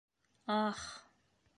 Ах!